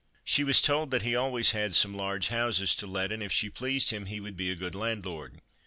She was told that he had always some large houses to let, and if she pleased him he would be a good landlord.